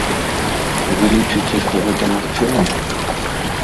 Вы лічыце, што гэта магчыма?